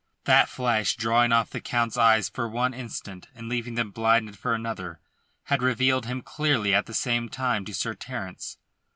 That flash drawing off the Count's eyes for one instant, and leaving them blinded for another, had revealed him clearly at the same time to Sir Terence.